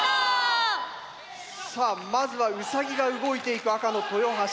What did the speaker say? さあまずはウサギが動いていく赤の豊橋。